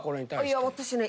いや私ね。